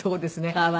可愛い。